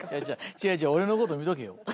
違う違う俺のこと見とけよ。